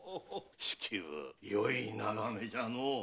よい眺めじゃのう。